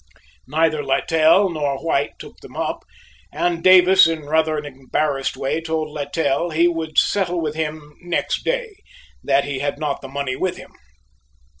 Neither Littell nor White took them up, and Davis in rather an embarrassed way told Littell he would settle with him next day, that he had not the money with him.